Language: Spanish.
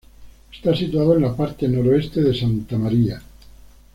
Está situado en la parte noroeste de Santa Maria.